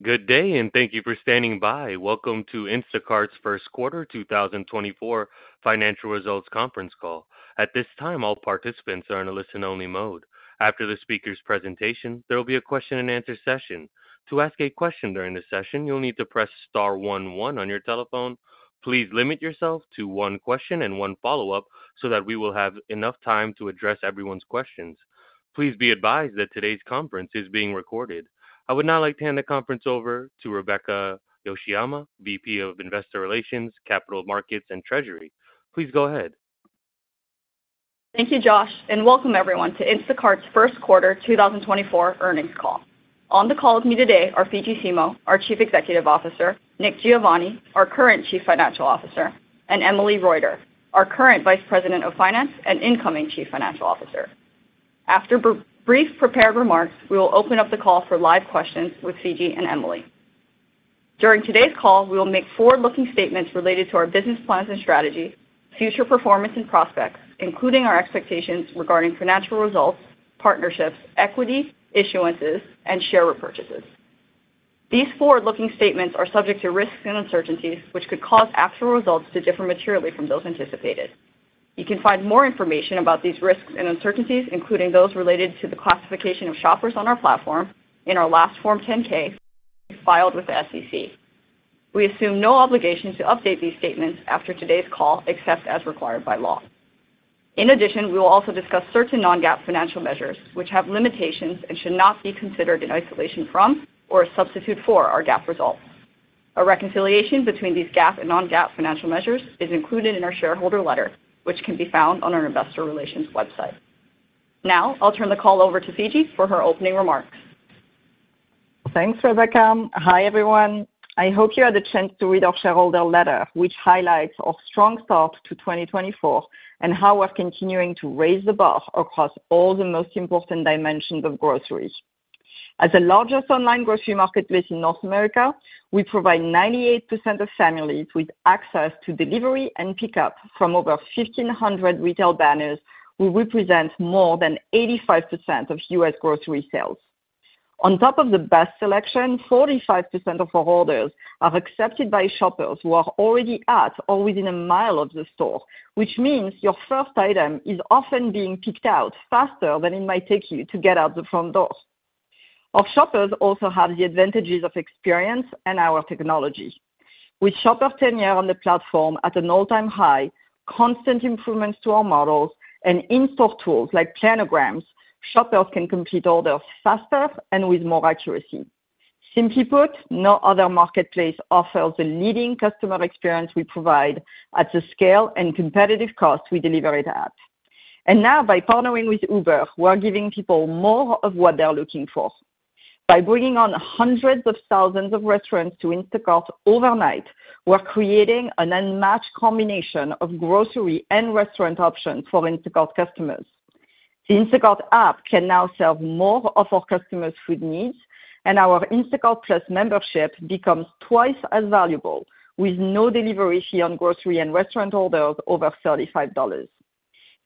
Good day, and thank you for standing by. Welcome to Instacart's first quarter 2024 financial results conference call. At this time, all participants are in a listen-only mode. After the speaker's presentation, there will be a question-and-answer session. To ask a question during the session, you'll need to press star one one on your telephone. Please limit yourself to one question and one follow-up so that we will have enough time to address everyone's questions. Please be advised that today's conference is being recorded. I would now like to hand the conference over to Rebecca Yoshiyama, VP of Investor Relations, Capital Markets, and Treasury. Please go ahead. Thank you, Josh, and welcome everyone to Instacart's first quarter 2024 earnings call. On the call with me today are Fidji Simo, our Chief Executive Officer, Nick Giovanni, our current Chief Financial Officer, and Emily Reuter, our current Vice President of Finance and incoming Chief Financial Officer. After brief prepared remarks, we will open up the call for live questions with Fidji and Emily. During today's call, we will make forward-looking statements related to our business plans and strategy, future performance and prospects, including our expectations regarding financial results, partnerships, equity issuances, and share repurchases. These forward-looking statements are subject to risks and uncertainties, which could cause actual results to differ materially from those anticipated. You can find more information about these risks and uncertainties, including those related to the classification of shoppers on our platform, in our last Form 10-K, filed with the SEC. We assume no obligation to update these statements after today's call, except as required by law. In addition, we will also discuss certain non-GAAP financial measures, which have limitations and should not be considered in isolation from or a substitute for our GAAP results. A reconciliation between these GAAP and non-GAAP financial measures is included in our shareholder letter, which can be found on our investor relations website. Now, I'll turn the call over to Fidji for her opening remarks. Thanks, Rebecca. Hi, everyone. I hope you had the chance to read our shareholder letter, which highlights our strong start to 2024 and how we're continuing to raise the bar across all the most important dimensions of groceries. As the largest online grocery marketplace in North America, we provide 98% of families with access to delivery and pickup from over 1,500 retail banners. We represent more than 85% of U.S. grocery sales. On top of the best selection, 45% of orders are accepted by shoppers who are already at or within a mile of the store, which means your first item is often being picked out faster than it might take you to get out the front door. Our shoppers also have the advantages of experience and our technology. With shopper tenure on the platform at an all-time high, constant improvements to our models, and in-store tools like planograms, shoppers can complete orders faster and with more accuracy. Simply put, no other marketplace offers the leading customer experience we provide at the scale and competitive cost we deliver it at. And now, by partnering with Uber, we're giving people more of what they are looking for. By bringing on hundreds of thousands of restaurants to Instacart overnight, we're creating an unmatched combination of grocery and restaurant options for Instacart customers. The Instacart app can now serve more of our customers' food needs, and our Instacart+ membership becomes twice as valuable, with no delivery fee on grocery and restaurant orders over $35.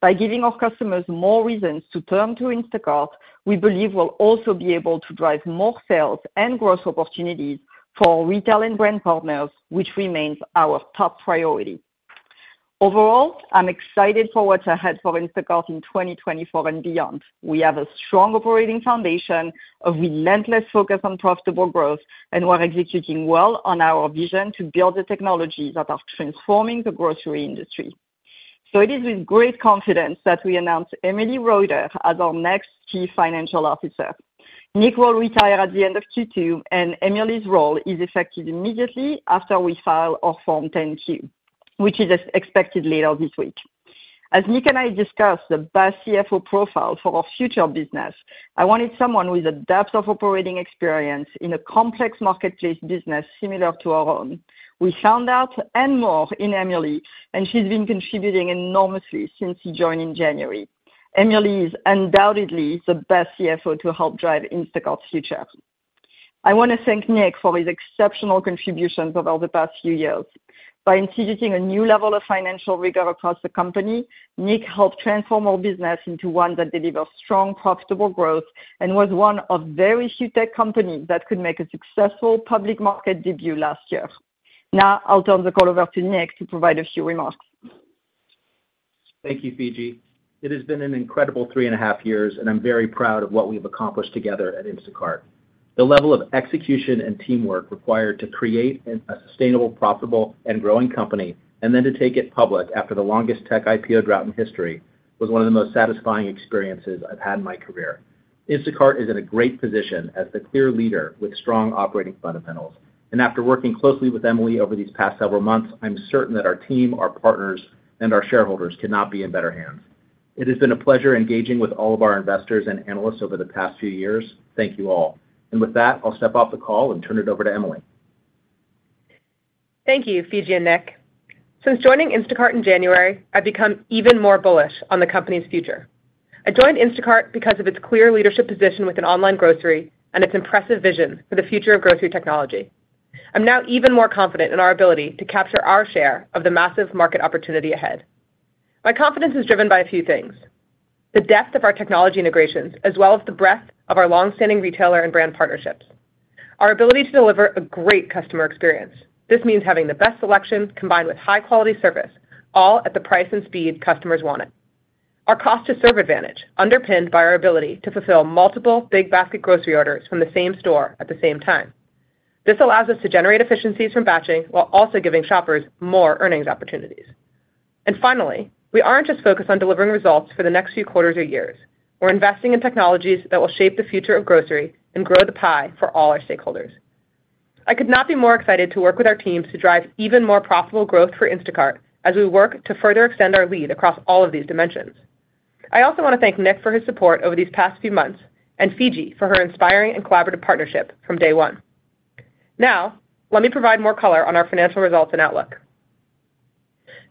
By giving our customers more reasons to turn to Instacart, we believe we'll also be able to drive more sales and growth opportunities for our retail and brand partners, which remains our top priority. Overall, I'm excited for what's ahead for Instacart in 2024 and beyond. We have a strong operating foundation, a relentless focus on profitable growth, and we're executing well on our vision to build the technologies that are transforming the grocery industry. So it is with great confidence that we announce Emily Reuter as our next Chief Financial Officer. Nick will retire at the end of Q2, and Emily's role is effective immediately after we file our Form 10-Q, which is expected later this week. As Nick and I discussed the best CFO profile for our future business, I wanted someone with a depth of operating experience in a complex marketplace business similar to our own. We found out and more in Emily, and she's been contributing enormously since she joined in January. Emily is undoubtedly the best CFO to help drive Instacart's future. I want to thank Nick for his exceptional contributions over the past few years. By instituting a new level of financial rigor across the company, Nick helped transform our business into one that delivers strong, profitable growth and was one of very few tech companies that could make a successful public market debut last year. Now, I'll turn the call over to Nick to provide a few remarks. Thank you, Fidji. It has been an incredible three and a half years, and I'm very proud of what we've accomplished together at Instacart. The level of execution and teamwork required to create a sustainable, profitable, and growing company, and then to take it public after the longest tech IPO drought in history, was one of the most satisfying experiences I've had in my career. Instacart is in a great position as the clear leader with strong operating fundamentals, and after working closely with Emily over these past several months, I'm certain that our team, our partners, and our shareholders could not be in better hands. It has been a pleasure engaging with all of our investors and analysts over the past few years. Thank you all. And with that, I'll step off the call and turn it over to Emily. Thank you, Fidji and Nick. Since joining Instacart in January, I've become even more bullish on the company's future. I joined Instacart because of its clear leadership position with an online grocery and its impressive vision for the future of grocery technology. I'm now even more confident in our ability to capture our share of the massive market opportunity ahead. My confidence is driven by a few things: the depth of our technology integrations, as well as the breadth of our long-standing retailer and brand partnerships. Our ability to deliver a great customer experience. This means having the best selections combined with high-quality service, all at the price and speed customers want it. Our cost to serve advantage, underpinned by our ability to fulfill multiple big basket grocery orders from the same store at the same time. This allows us to generate efficiencies from batching while also giving shoppers more earnings opportunities. And finally, we aren't just focused on delivering results for the next few quarters or years. We're investing in technologies that will shape the future of grocery and grow the pie for all our stakeholders. I could not be more excited to work with our teams to drive even more profitable growth for Instacart as we work to further extend our lead across all of these dimensions. I also want to thank Nick for his support over these past few months, and Fidji for her inspiring and collaborative partnership from day one. Now, let me provide more color on our financial results and outlook.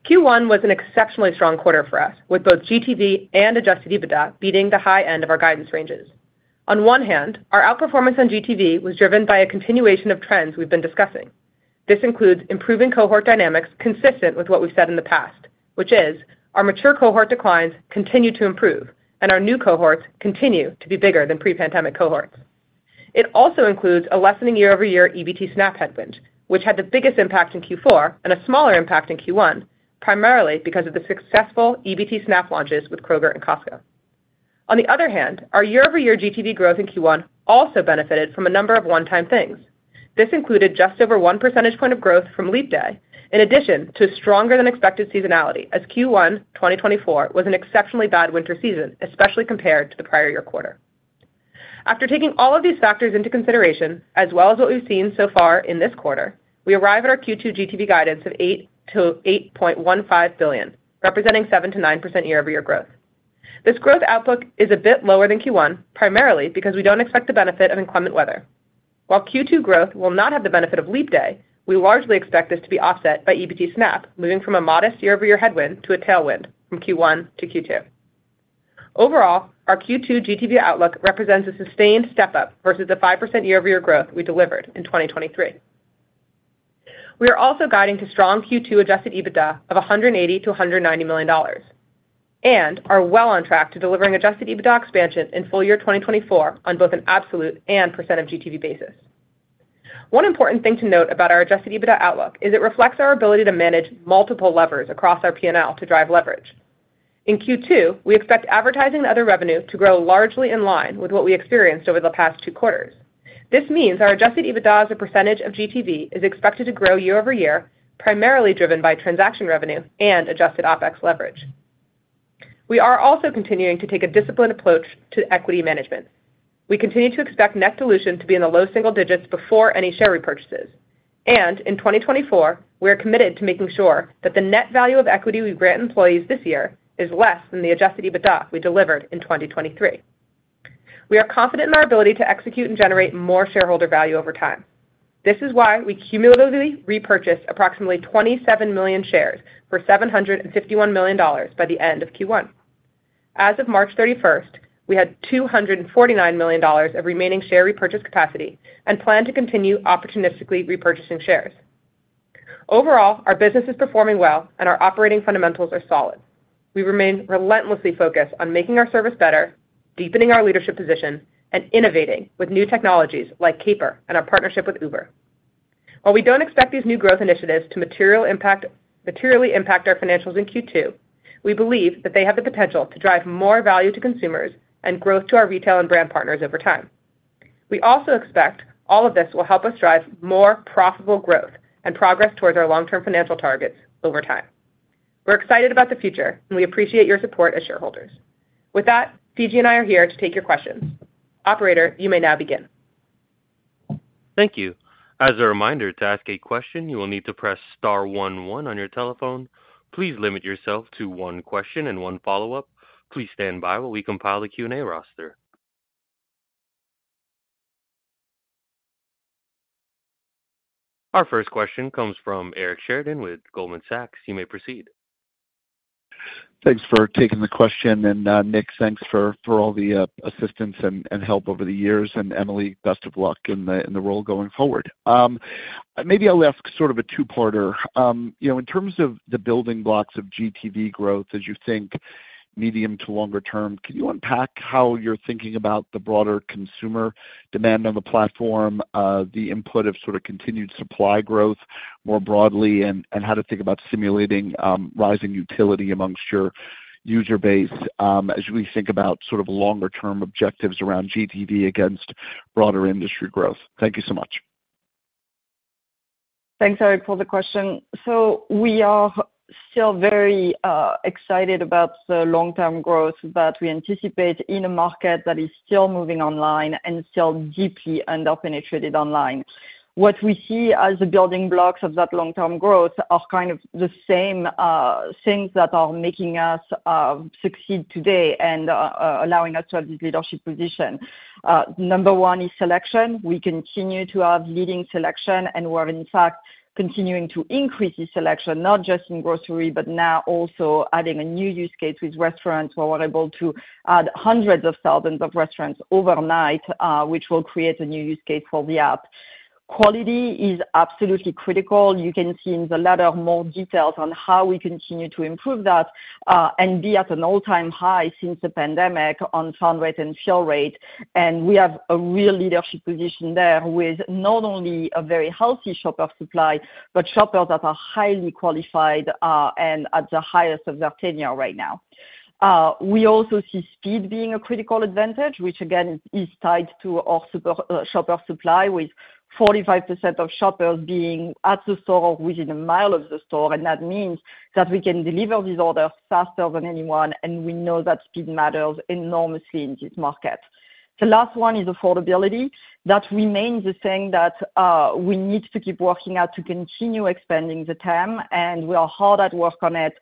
Q1 was an exceptionally strong quarter for us, with both GTV and Adjusted EBITDA beating the high end of our guidance ranges. On one hand, our outperformance on GTV was driven by a continuation of trends we've been discussing. This includes improving cohort dynamics consistent with what we've said in the past, which is our mature cohort declines continue to improve, and our new cohorts continue to be bigger than pre-pandemic cohorts. It also includes a lessening year-over-year EBT SNAP headwind, which had the biggest impact in Q4 and a smaller impact in Q1, primarily because of the successful EBT SNAP launches with Kroger and Costco. On the other hand, our year-over-year GTV growth in Q1 also benefited from a number of one-time things. This included just over one percentage point of growth from Leap Day, in addition to stronger than expected seasonality, as Q1 2024 was an exceptionally bad winter season, especially compared to the prior year quarter. After taking all of these factors into consideration, as well as what we've seen so far in this quarter, we arrive at our Q2 GTV guidance of $8 billion-$8.15 billion, representing 7%-9% year-over-year growth. This growth outlook is a bit lower than Q1, primarily because we don't expect the benefit of inclement weather. While Q2 growth will not have the benefit of Leap Day, we largely expect this to be offset by EBT SNAP, moving from a modest year-over-year headwind to a tailwind from Q1 to Q2. Overall, our Q2 GTV outlook represents a sustained step-up versus the 5% year-over-year growth we delivered in 2023. We are also guiding to strong Q2 Adjusted EBITDA of $180 million-$190 million, and are well on track to delivering Adjusted EBITDA expansion in full year 2024 on both an absolute and percent of GTV basis. One important thing to note about our Adjusted EBITDA outlook is it reflects our ability to manage multiple levers across our P&L to drive leverage. In Q2, we expect advertising and other revenue to grow largely in line with what we experienced over the past two quarters. This means our adjusted EBITDA as a percentage of GTV is expected to grow year-over-year, primarily driven by transaction revenue and adjusted OpEx leverage. We are also continuing to take a disciplined approach to equity management. We continue to expect net dilution to be in the low single digits before any share repurchases, and in 2024, we are committed to making sure that the net value of equity we grant employees this year is less than the adjusted EBITDA we delivered in 2023. We are confident in our ability to execute and generate more shareholder value over time. This is why we cumulatively repurchased approximately 27 million shares for $751 million by the end of Q1. As of 31 March, we had $249 million of remaining share repurchase capacity and plan to continue opportunistically repurchasing shares. Overall, our business is performing well, and our operating fundamentals are solid. We remain relentlessly focused on making our service better, deepening our leadership position, and innovating with new technologies like Caper and our partnership with Uber. While we don't expect these new growth initiatives to materially impact our financials in Q2, we believe that they have the potential to drive more value to consumers and growth to our retail and brand partners over time. We also expect all of this will help us drive more profitable growth and progress towards our long-term financial targets over time. We're excited about the future, and we appreciate your support as shareholders. With that, Fidji and I are here to take your questions. Operator, you may now begin. Thank you. As a reminder, to ask a question, you will need to press star one one on your telephone. Please limit yourself to one question and one follow-up. Please stand by while we compile the Q&A roster. Our first question comes from Eric Sheridan with Goldman Sachs. You may proceed. Thanks for taking the question, and, Nick, thanks for all the assistance and help over the years, and Emily, best of luck in the role going forward. Maybe I'll ask sort of a two-parter. You know, in terms of the building blocks of GTV growth, as you think medium to longer term, can you unpack how you're thinking about the broader consumer demand on the platform, the input of sort of continued supply growth more broadly, and how to think about simulating rising utility amongst your user base, as we think about sort of longer term objectives around GTV against broader industry growth? Thank you so much. Thanks, Eric, for the question. So we are still very excited about the long-term growth that we anticipate in a market that is still moving online and still deeply underpenetrated online. What we see as the building blocks of that long-term growth are kind of the same things that are making us succeed today and allowing us to have this leadership position. Number one is selection. We continue to have leading selection, and we're, in fact, continuing to increase the selection, not just in grocery, but now also adding a new use case with restaurants, where we're able to add hundreds of thousands of restaurants overnight, which will create a new use case for the app. Quality is absolutely critical. You can see in the letter more details on how we continue to improve that, and be at an all-time high since the pandemic on found rate and fill rate. We have a real leadership position there, with not only a very healthy shopper supply, but shoppers that are highly qualified, and at the highest of their tenure right now. We also see speed being a critical advantage, which, again, is tied to our super shopper supply, with 45% of shoppers being at the store or within a mile of the store, and that means that we can deliver these orders faster than anyone, and we know that speed matters enormously in this market. The last one is affordability. That remains the thing that, we need to keep working out to continue expanding the TAM, and we are hard at work on it,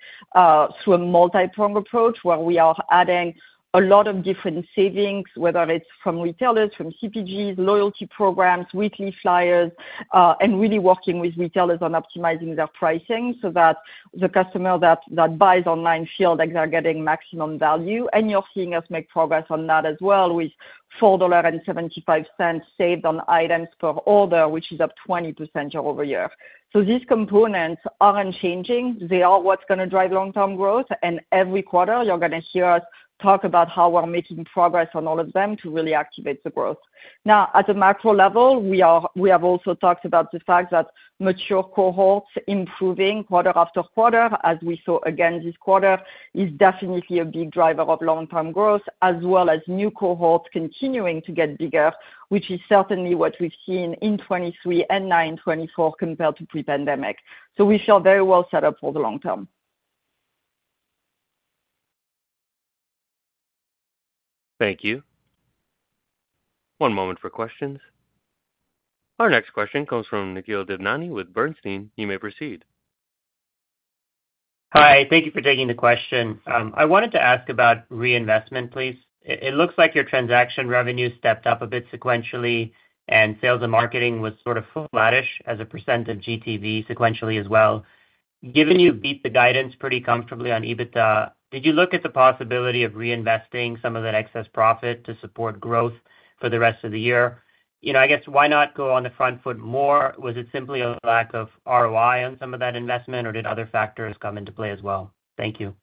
through a multi-pronged approach, where we are adding a lot of different savings, whether it's from retailers, from CPGs, loyalty programs, weekly flyers, and really working with retailers on optimizing their pricing so that the customer that, that buys online feel like they are getting maximum value. And you're seeing us make progress on that as well, with $4.75 saved on items per order, which is up 20% year-over-year. So these components aren't changing. They are what's gonna drive long-term growth, and every quarter, you're gonna hear us talk about how we're making progress on all of them to really activate the growth. Now, at the macro level, we have also talked about the fact that mature cohorts improving quarter after quarter, as we saw again this quarter, is definitely a big driver of long-term growth, as well as new cohorts continuing to get bigger, which is certainly what we've seen in 2023 and 2024 compared to pre-pandemic. So we feel very well set up for the long term. Thank you. One moment for questions. Our next question comes from Nikhil Devnani with Bernstein. You may proceed. Hi, thank you for taking the question. I wanted to ask about reinvestment, please. It looks like your transaction revenue stepped up a bit sequentially, and sales and marketing was sort of flattish as a percent of GTV sequentially as well. Given you beat the guidance pretty comfortably on EBITDA, did you look at the possibility of reinvesting some of that excess profit to support growth for the rest of the year? You know, I guess, why not go on the front foot more? Was it simply a lack of ROI on some of that investment, or did other factors come into play as well? Thank you.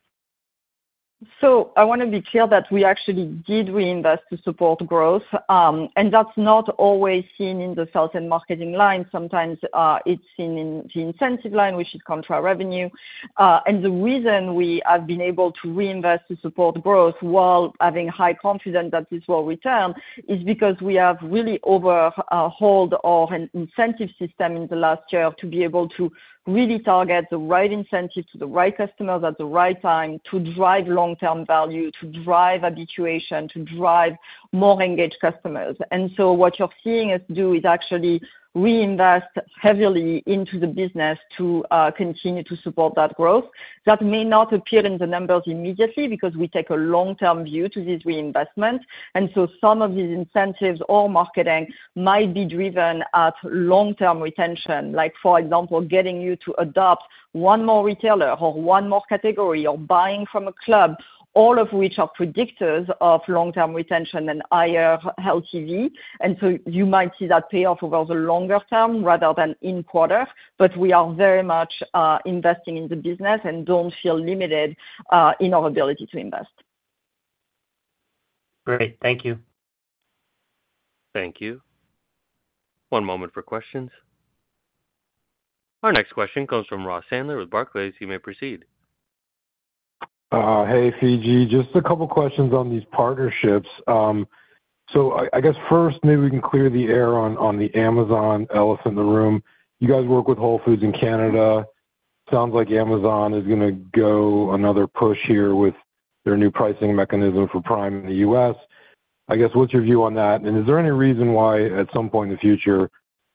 So I wanna be clear that we actually did reinvest to support growth, and that's not always seen in the sales and marketing line. Sometimes, it's seen in the incentive line, which is contra revenue. The reason we have been able to reinvest to support growth while having high confidence that this will return is because we have really overhauled our incentive system in the last year to be able to really target the right incentive to the right customers at the right time, to drive long-term value, to drive habituation, to drive more engaged customers. And so what you're seeing us do is actually reinvest heavily into the business to continue to support that growth. That may not appear in the numbers immediately because we take a long-term view to this reinvestment, and so some of these incentives or marketing might be driven at long-term retention, like for example, getting you to adopt one more retailer or one more category or buying from a club, all of which are predictors of long-term retention and higher LTV. And so you might see that pay off over the longer term rather than in quarter, but we are very much, investing in the business and don't feel limited, in our ability to invest. Great. Thank you. Thank you. One moment for questions. Our next question comes from Ross Sandler with Barclays. You may proceed. Hey, Fidji. Just a couple questions on these partnerships. So I guess first, maybe we can clear the air on the Amazon elephant in the room. You guys work with Whole Foods in Canada. Sounds like Amazon is gonna go another push here with their new pricing mechanism for Prime in the U.S. I guess, what's your view on that? And is there any reason why, at some point in the future,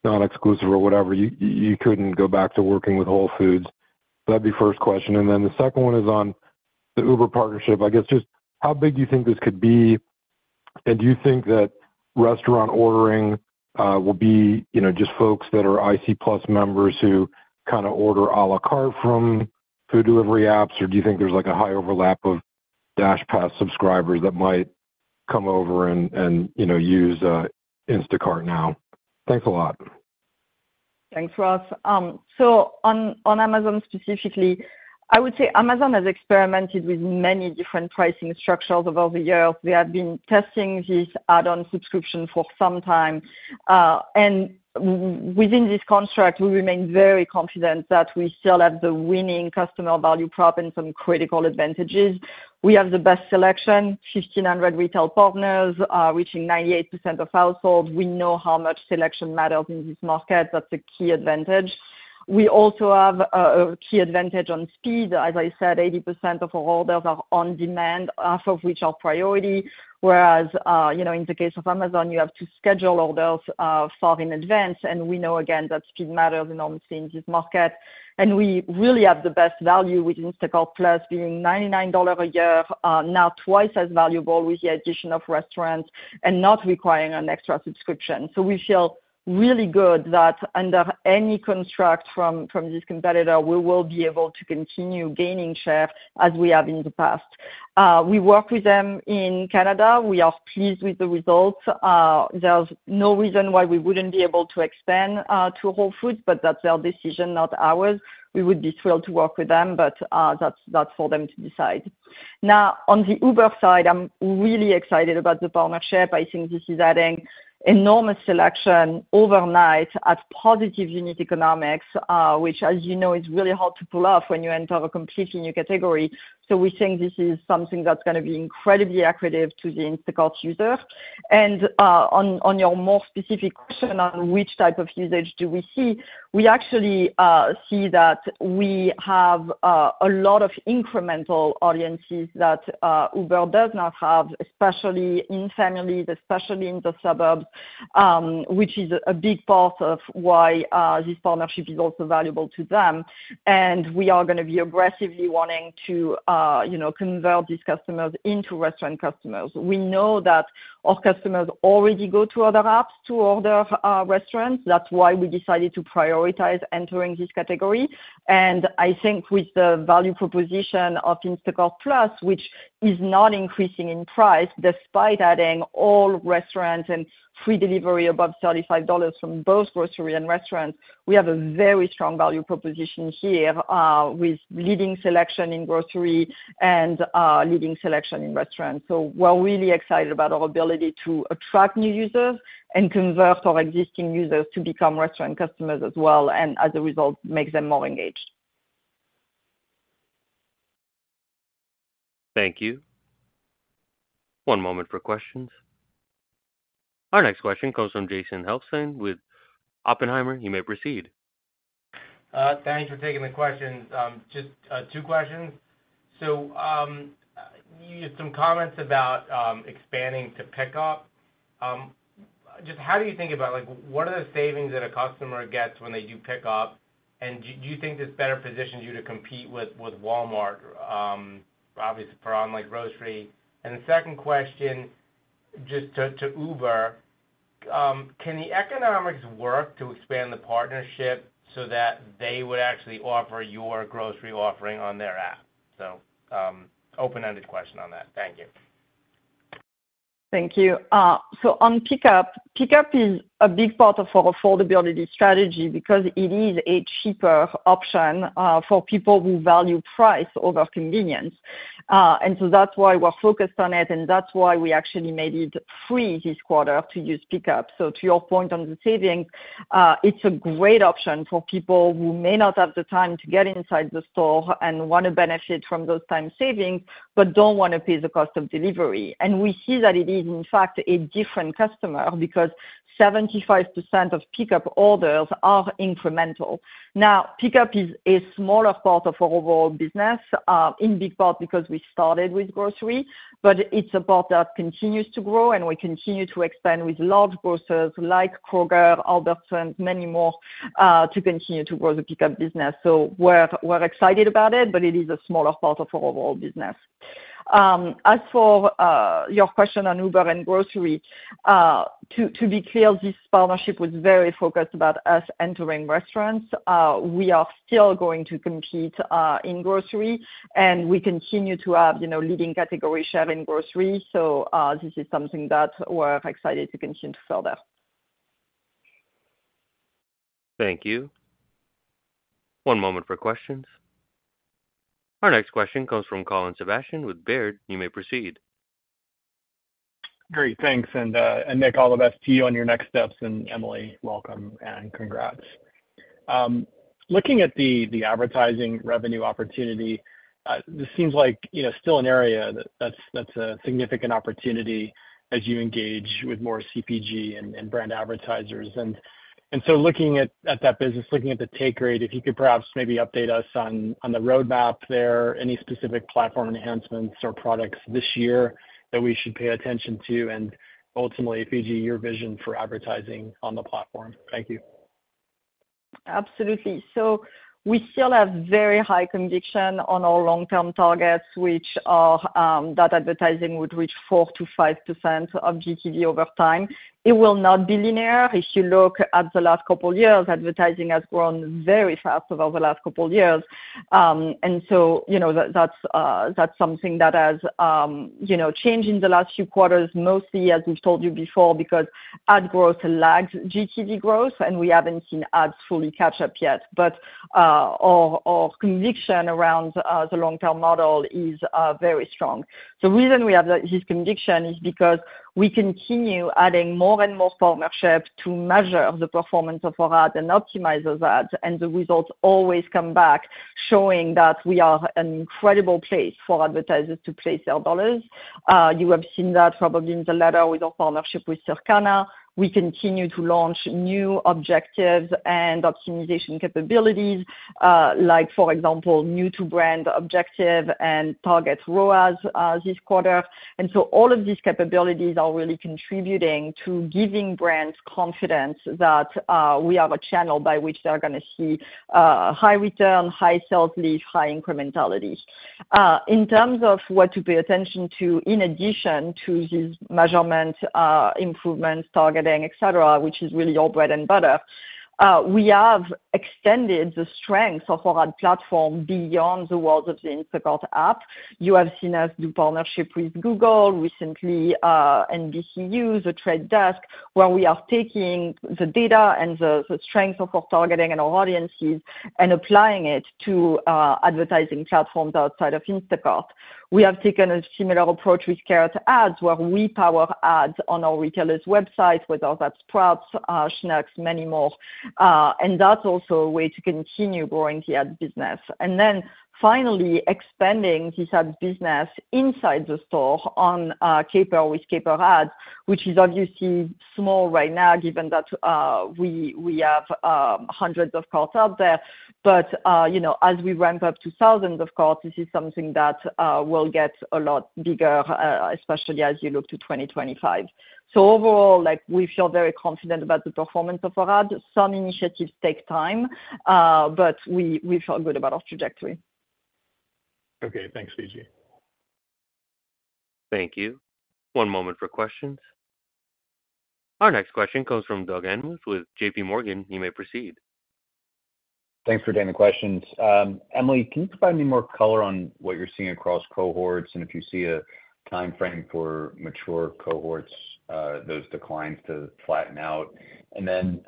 not exclusive or whatever, you couldn't go back to working with Whole Foods? That'd be first question, and then the second one is on the Uber partnership. I guess just how big do you think this could be, and do you think that restaurant ordering will be, you know, just folks that are IC+ members who kind of order a la carte from food delivery apps, or do you think there's like a high overlap of DashPass subscribers that might come over and, you know, use Instacart now? Thanks a lot. Thanks, Ross. So on Amazon specifically, I would say Amazon has experimented with many different pricing structures over the years. We have been testing this add-on subscription for some time, and within this contract, we remain very confident that we still have the winning customer value prop and some critical advantages. We have the best selection, 1,500 retail partners, reaching 98% of households. We know how much selection matters in this market. That's a key advantage. We also have a key advantage on speed. As I said, 80% of our orders are on demand, half of which are priority, whereas, you know, in the case of Amazon, you have to schedule orders, far in advance, and we know again, that speed matters enormously in this market. We really have the best value with Instacart+ being $99 a year, now twice as valuable with the addition of restaurants and not requiring an extra subscription. So we feel really good that under any contract from, from this competitor, we will be able to continue gaining share as we have in the past. We work with them in Canada. We are pleased with the results. There's no reason why we wouldn't be able to expand to Whole Foods, but that's their decision, not ours. We would be thrilled to work with them, but that's, that's for them to decide. Now, on the Uber side, I'm really excited about the partnership. I think this is adding enormous selection overnight as positive unit economics, which, as you know, is really hard to pull off when you enter a completely new category. So we think this is something that's gonna be incredibly accretive to the Instacart user. And, on, on your more specific question on which type of usage do we see, we actually, see that we have, a lot of incremental audiences that, Uber does not have, especially in families, especially in the suburbs, which is a big part of why, this partnership is also valuable to them. And we are gonna be aggressively wanting to, you know, convert these customers into restaurant customers. We know that our customers already go to other apps to order, restaurants, that's why we decided to prioritize entering this category. I think with the value proposition of Instacart+, which is not increasing in price, despite adding all restaurants and free delivery above $35 from both grocery and restaurants, we have a very strong value proposition here, with leading selection in grocery and leading selection in restaurants. We're really excited about our ability to attract new users and convert our existing users to become restaurant customers as well, and as a result, make them more engaged. Thank you. One moment for questions. Our next question comes from Jason Helfstein with Oppenheimer. You may proceed. Thanks for taking the questions. Just two questions. So, you had some comments about expanding to pickup. Just how do you think about, like, what are the savings that a customer gets when they do pick up? And do you think this better positions you to compete with Walmart, obviously for on like grocery? And the second question, just to Uber, can the economics work to expand the partnership so that they would actually offer your grocery offering on their app? So, open-ended question on that. Thank you. Thank you. So on pickup, pickup is a big part of our affordability strategy because it is a cheaper option for people who value price over convenience. And so that's why we're focused on it, and that's why we actually made it free this quarter to use pickup. So to your point on the savings, it's a great option for people who may not have the time to get inside the store and wanna benefit from those time savings, but don't wanna pay the cost of delivery. And we see that it is, in fact, a different customer, because 75% of pickup orders are incremental. Now, pickup is a smaller part of our overall business, in big part because we started with grocery, but it's a part that continues to grow, and we continue to expand with large grocers like Kroger, Albertsons, and many more, to continue to grow the pickup business. So we're excited about it, but it is a smaller part of our overall business. As for your question on Uber and grocery, to be clear, this partnership was very focused about us entering restaurants. We are still going to compete in grocery, and we continue to have, you know, leading category share in grocery. So this is something that we're excited to continue to further. Thank you. One moment for questions. Our next question comes from Colin Sebastian with Baird. You may proceed. Great, thanks. And, and Nick, all the best to you on your next steps, and Emily, welcome and congrats. Looking at the advertising revenue opportunity, this seems like, you know, still an area that's a significant opportunity as you engage with more CPG and brand advertisers. And so looking at that business, looking at the take rate, if you could perhaps maybe update us on the roadmap there, any specific platform enhancements or products this year that we should pay attention to, and ultimately, Fidji your vision for advertising on the platform. Thank you. Absolutely. So we still have very high conviction on our long-term targets, which are that advertising would reach 4%-5% of GTV over time. It will not be linear. If you look at the last couple years, advertising has grown very fast over the last couple years. And so, you know, that's something that has, you know, changed in the last few quarters, mostly, as we've told you before, because ad growth lags GTV growth, and we haven't seen ads fully catch up yet. But, our conviction around, the long-term model is, very strong. The reason we have this conviction is because we continue adding more and more partnerships to measure the performance of our ads and optimize those ads, and the results always come back, showing that we are an incredible place for advertisers to place their dollars. You have seen that probably in the letter with our partnership with Circana. We continue to launch new objectives and optimization capabilities, like for example, New-to-Brand objective and Target ROAS, this quarter. And so all of these capabilities are really contributing to giving brands confidence that, we have a channel by which they are gonna see, high return, high sales lift, high incrementality. In terms of what to pay attention to, in addition to these measurements, improvements, targeting, et cetera, which is really our bread and butter... We have extended the strength of our ad platform beyond the walls of the Instacart app. You have seen us do partnership with Google recently, NBCU, The Trade Desk, where we are taking the data and the strength of our targeting and our audiences and applying it to advertising platforms outside of Instacart. We have taken a similar approach with Carrot Ads, where we power ads on our retailers' websites, whether that's Sprouts, Schnucks, many more, and that's also a way to continue growing the ad business. And then finally, expanding this ad business inside the store on Caper with Caper Ads, which is obviously small right now, given that we have hundreds of carts out there. But, you know, as we ramp up to thousands of carts, this is something that will get a lot bigger, especially as you look to 2025. So overall, like, we feel very confident about the performance of our ads. Some initiatives take time, but we, we feel good about our trajectory. Okay, thanks, Fidji. Thank you. One moment for questions. Our next question comes from Doug Anmuth with JPMorgan. You may proceed. Thanks for taking the questions. Emily, can you provide any more color on what you're seeing across cohorts, and if you see a timeframe for mature cohorts, those declines to flatten out? And then,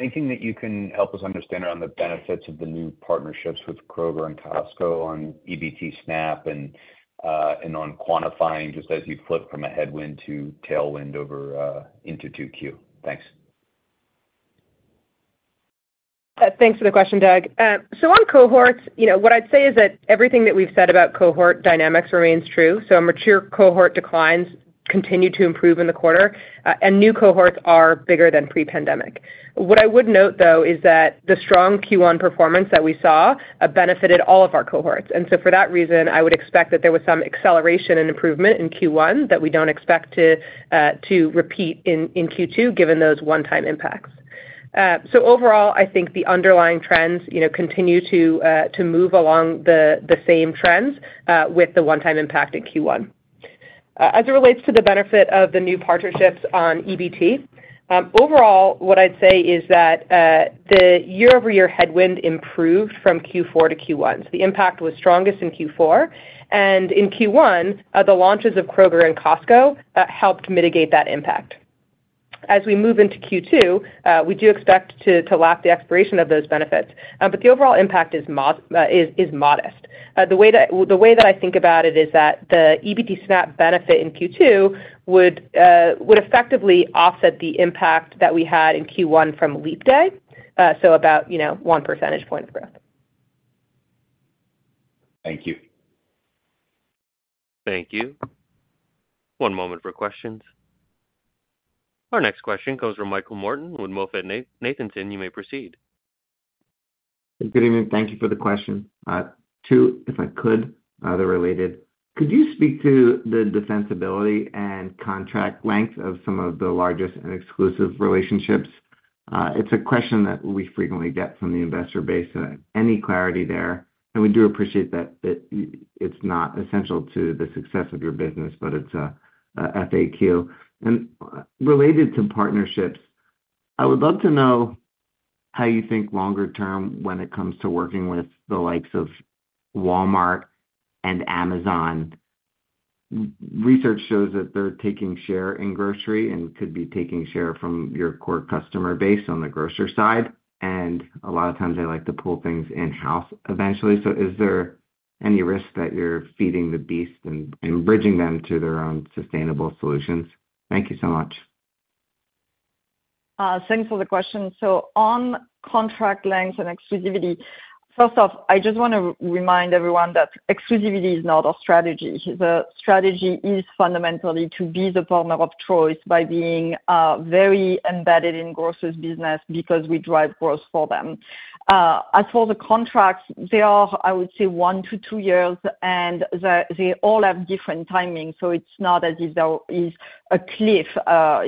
anything that you can help us understand around the benefits of the new partnerships with Kroger and Costco on EBT SNAP and, and on quantifying just as you flip from a headwind to tailwind over, into 2Q? Thanks. Thanks for the question, Doug. So on cohorts, you know, what I'd say is that everything that we've said about cohort dynamics remains true. So mature cohort declines continue to improve in the quarter, and new cohorts are bigger than pre-pandemic. What I would note, though, is that the strong Q1 performance that we saw benefited all of our cohorts, and so for that reason, I would expect that there was some acceleration and improvement in Q1 that we don't expect to repeat in Q2, given those one-time impacts. So overall, I think the underlying trends, you know, continue to move along the same trends, with the one-time impact in Q1. As it relates to the benefit of the new partnerships on EBT, overall, what I'd say is that the year-over-year headwind improved from Q4 to Q1. So the impact was strongest in Q4, and in Q1 the launches of Kroger and Costco helped mitigate that impact. As we move into Q2, we do expect to lap the expiration of those benefits, but the overall impact is modest. The way that, well, the way that I think about it is that the EBT SNAP benefit in Q2 would effectively offset the impact that we had in Q1 from Leap Day, so about, you know, one percentage point of growth. Thank you. Thank you. One moment for questions. Our next question comes from Michael Morton with MoffettNathanson. You may proceed. Good evening. Thank you for the question. Two, if I could, they're related. Could you speak to the defensibility and contract length of some of the largest and exclusive relationships? It's a question that we frequently get from the investor base. Any clarity there? And we do appreciate that, it's not essential to the success of your business, but it's a FAQ. And related to partnerships, I would love to know how you think longer term when it comes to working with the likes of Walmart and Amazon. Research shows that they're taking share in grocery and could be taking share from your core customer base on the grocery side, and a lot of times they like to pull things in-house eventually. So is there any risk that you're feeding the beast and bridging them to their own sustainable solutions? Thank you so much. Thanks for the question. So on contract length and exclusivity, first off, I just wanna remind everyone that exclusivity is not our strategy. The strategy is fundamentally to be the partner of choice by being very embedded in grocers' business because we drive growth for them. As for the contracts, they are, I would say, one to two years, and they all have different timing, so it's not as if there is a cliff,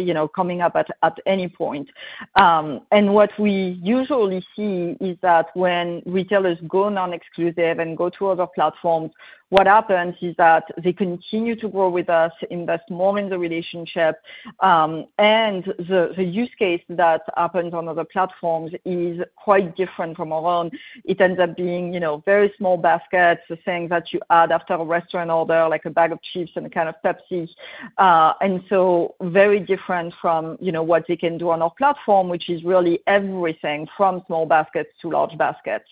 you know, coming up at any point. And what we usually see is that when retailers go non-exclusive and go to other platforms, what happens is that they continue to grow with us, invest more in the relationship, and the use case that happens on other platforms is quite different from our own. It ends up being, you know, very small baskets, the things that you add after a restaurant order, like a bag of chips and a can of Pepsi. And so very different from, you know, what they can do on our platform, which is really everything from small baskets to large baskets.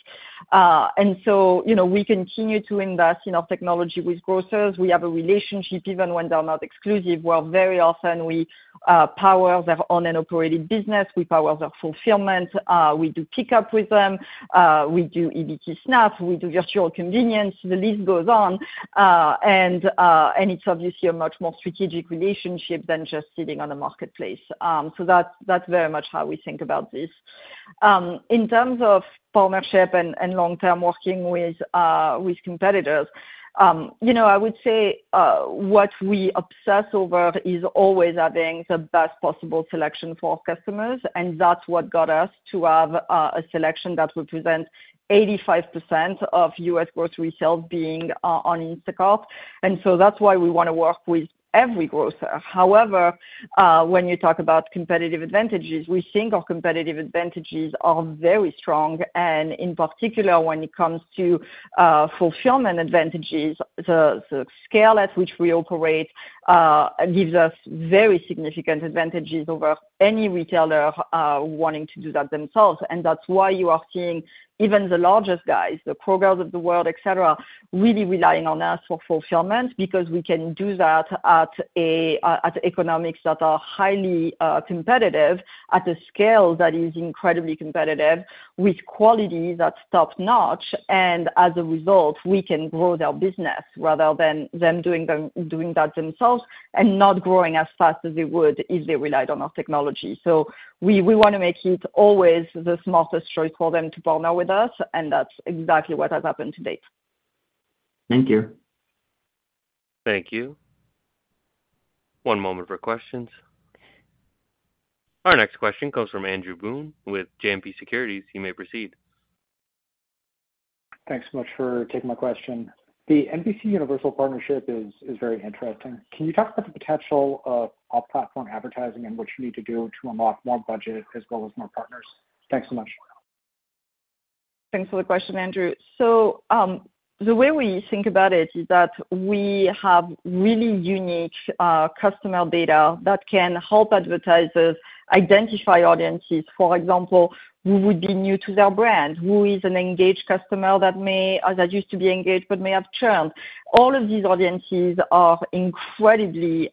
And so, you know, we continue to invest in our technology with grocers. We have a relationship even when they're not exclusive, where very often we power their owned-and-operated business, we power their fulfillment, we do pickup with them, we do EBT SNAP, we do virtual convenience, the list goes on. And it's obviously a much more strategic relationship than just sitting on the marketplace. So that's, that's very much how we think about this. In terms of partnership and long-term working with competitors, you know, I would say what we obsess over is always having the best possible selection for our customers, and that's what got us to have a selection that represents 85% of US grocery sales being on Instacart. And so that's why we wanna work with every grocer. However, when you talk about competitive advantages, we think our competitive advantages are very strong, and in particular, when it comes to fulfillment advantages, the scale at which we operate gives us very significant advantages over any retailer wanting to do that themselves. That's why you are seeing even the largest guys, the Kroger's of the world, et cetera, really relying on us for fulfillment, because we can do that at economics that are highly competitive, at a scale that is incredibly competitive, with quality that's top-notch. And as a result, we can grow their business rather than them doing that themselves and not growing as fast as they would if they relied on our technology. We wanna make it always the smartest choice for them to partner with us, and that's exactly what has happened to date. Thank you. Thank you. One moment for questions. Our next question comes from Andrew Boone with JMP Securities. You may proceed. Thanks so much for taking my question. The NBCUniversal partnership is very interesting. Can you talk about the potential of off-platform advertising and what you need to do to unlock more budget as well as more partners? Thanks so much. Thanks for the question, Andrew. So, the way we think about it is that we have really unique customer data that can help advertisers identify audiences. For example, who would be new to their brand? Who is an engaged customer that may, that used to be engaged but may have churned? All of these audiences are incredibly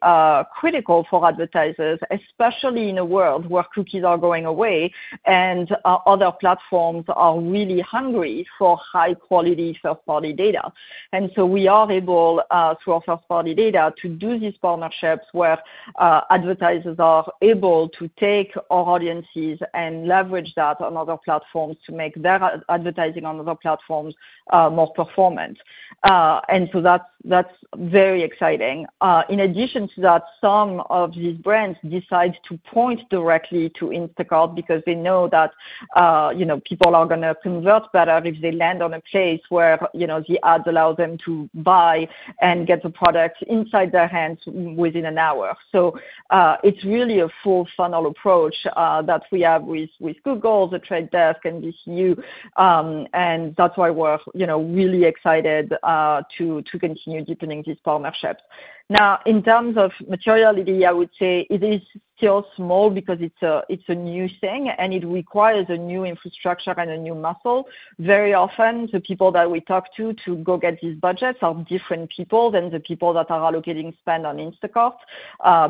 critical for advertisers, especially in a world where cookies are going away and other platforms are really hungry for high quality first-party data. And so we are able, through our first-party data, to do these partnerships, where advertisers are able to take our audiences and leverage that on other platforms to make their advertising on other platforms more performant. And so that's, that's very exciting. In addition to that, some of these brands decide to point directly to Instacart because they know that, you know, people are gonna convert better if they land on a place where, you know, the ads allow them to buy and get the product inside their hands within an hour. So, it's really a full funnel approach, that we have with, with Google, The Trade Desk, and NBCU, and that's why we're, you know, really excited to continue deepening these partnerships. Now, in terms of materiality, I would say it is still small because it's a, it's a new thing, and it requires a new infrastructure and a new muscle. Very often, the people that we talk to, to go get these budgets are different people than the people that are allocating spend on Instacart,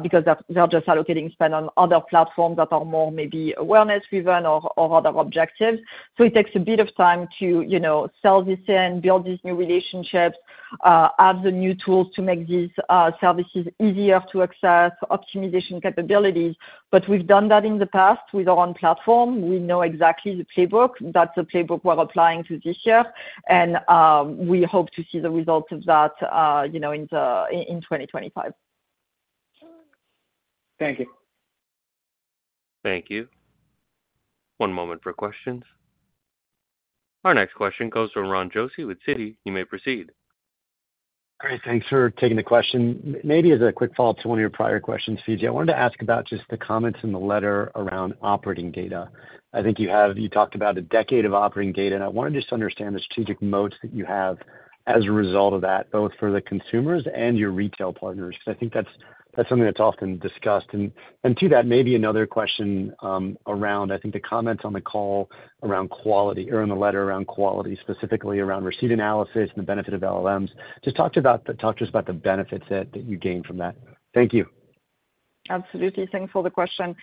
because they're just allocating spend on other platforms that are more maybe awareness driven or other objectives. So it takes a bit of time to, you know, sell this and build these new relationships, add the new tools to make these services easier to access, optimization capabilities. But we've done that in the past with our own platform. We know exactly the playbook. That's the playbook we're applying to this year, and we hope to see the results of that, you know, in 2025. Thank you. Thank you. One moment for questions. Our next question comes from Ron Josey with Citi. You may proceed. Great. Thanks for taking the question. Maybe as a quick follow-up to one of your prior questions, Fidji, I wanted to ask about just the comments in the letter around operating data. I think you talked about a decade of operating data, and I wanted just to understand the strategic modes that you have as a result of that, both for the consumers and your retail partners, because I think that's something that's often discussed. And to that, maybe another question around the comments on the call around quality or in the letter around quality, specifically around receipt analysis and the benefit of LLMs. Just talk to us about the benefits that you gained from that. Thank you. Absolutely. Thanks for the question.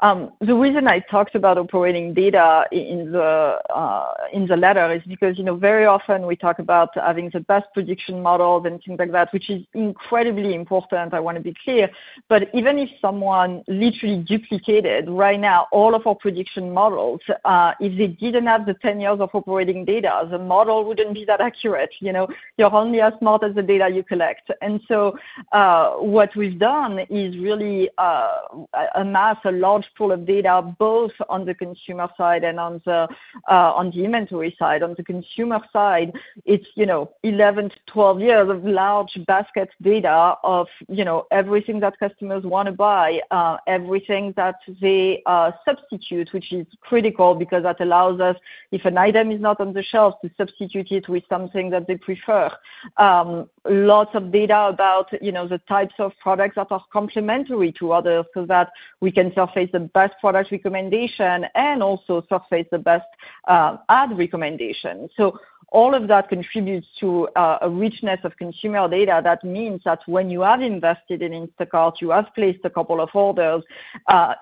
The reason I talked about operating data in the letter is because, you know, very often we talk about having the best prediction model and things like that, which is incredibly important, I wanna be clear. But even if someone literally duplicated right now all of our prediction models, if they didn't have the 10 years of operating data, the model wouldn't be that accurate. You know, you're only as smart as the data you collect. And so, what we've done is really, amass a large pool of data, both on the consumer side and on the inventory side. On the consumer side, it's, you know, 11-12 years of large basket data of, you know, everything that customers wanna buy, everything that they, substitute, which is critical, because that allows us, if an item is not on the shelves, to substitute it with something that they prefer. Lots of data about, you know, the types of products that are complementary to others, so that we can surface the best product recommendation and also surface the best, ad recommendation. So all of that contributes to, a richness of consumer data. That means that when you have invested in Instacart, you have placed a couple of orders,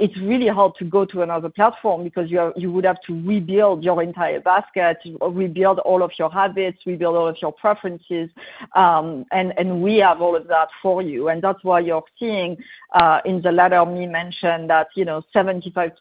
it's really hard to go to another platform because you're, you would have to rebuild your entire basket, rebuild all of your habits, rebuild all of your preferences, and we have all of that for you. And that's why you're seeing, in the letter, mention that, you know, 75%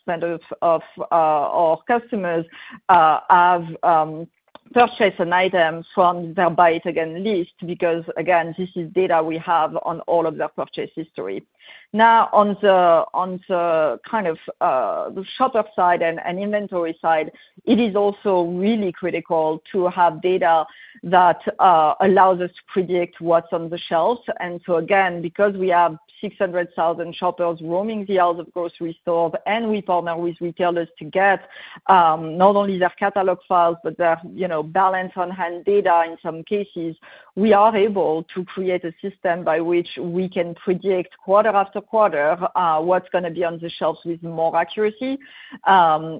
of our customers have purchase an item from their Buy It Again list, because, again, this is data we have on all of their purchase history. Now, on the kind of, the shop side and inventory side, it is also really critical to have data that allows us to predict what's on the shelves. And so again, because we have 600,000 shoppers roaming the aisles of grocery stores, and we partner with retailers to get not only their catalog files, but their, you know, balance on hand data, in some cases, we are able to create a system by which we can predict quarter after quarter what's gonna be on the shelves with more accuracy,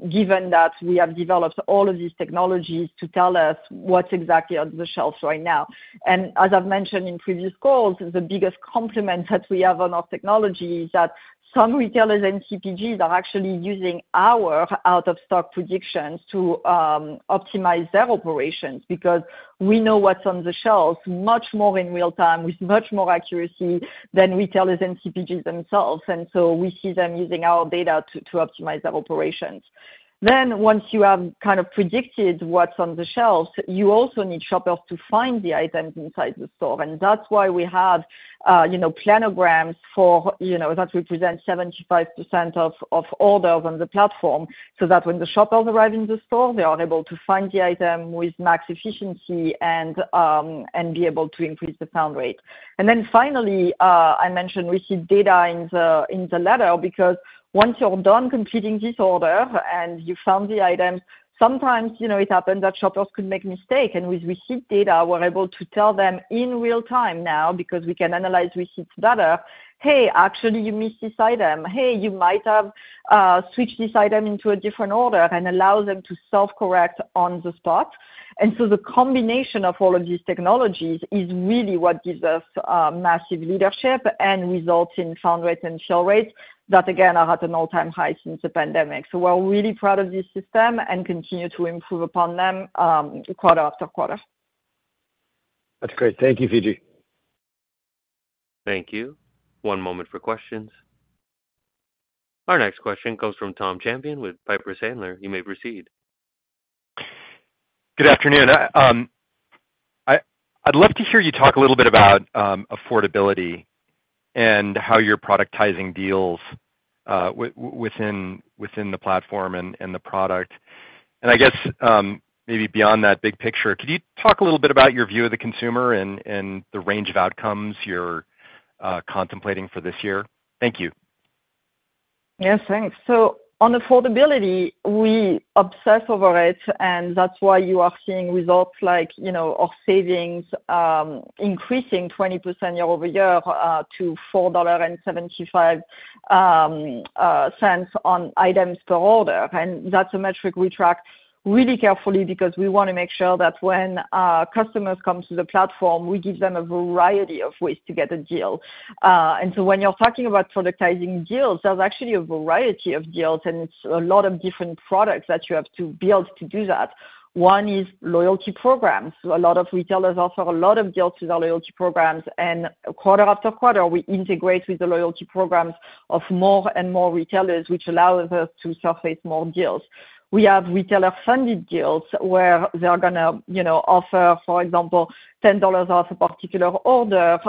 given that we have developed all of these technologies to tell us what's exactly on the shelves right now. As I've mentioned in previous calls, the biggest compliment that we have on our technology is that some retailers and CPGs are actually using our out of stock predictions to optimize their operations, because we know what's on the shelves much more in real time, with much more accuracy than retailers and CPGs themselves, and so we see them using our data to optimize their operations. Then, once you have kind of predicted what's on the shelves, you also need shoppers to find the items inside the store. And that's why we have planograms that represent 75% of orders on the platform, so that when the shoppers arrive in the store, they are able to find the item with max efficiency and be able to increase the found rate. And then finally, I mentioned receipt data in the, in the letter, because once you're done completing this order and you found the item, sometimes, you know, it happens that shoppers could make mistake, and with receipt data, we're able to tell them in real time now, because we can analyze receipt data, "Hey, actually, you missed this item. Hey, you might have, switched this item into a different order," and allow them to self-correct on the spot. And so the combination of all of these technologies is really what gives us, massive leadership and results in found rates and fill rates that again, are at an all-time high since the pandemic. So we're really proud of this system and continue to improve upon them, quarter after quarter. That's great. Thank you, Fidji. Thank you. One moment for questions. Our next question comes from Tom Champion with Piper Sandler. You may proceed. Good afternoon. I'd love to hear you talk a little bit about affordability and how you're productizing deals within the platform and the product. I guess, maybe beyond that big picture, could you talk a little bit about your view of the consumer and the range of outcomes you're contemplating for this year? Thank you. Yes, thanks. So on affordability, we obsess over it, and that's why you are seeing results like, you know, our savings, increasing 20% year-over-year, to $4.75 on items per order. And that's a metric we track really carefully, because we wanna make sure that when customers come to the platform, we give them a variety of ways to get a deal. And so when you're talking about productizing deals, there's actually a variety of deals, and it's a lot of different products that you have to build to do that. One is loyalty programs. A lot of retailers offer a lot of deals with their loyalty programs, and quarter after quarter, we integrate with the loyalty programs of more and more retailers, which allows us to surface more deals. We have retailer-funded deals, where they're gonna, you know, offer, for example, $10 off a particular order,